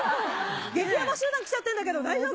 激ヤバ集団来ちゃってんだけど、大丈夫。